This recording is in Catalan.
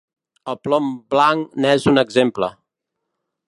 El plom blanc n'és un exemple.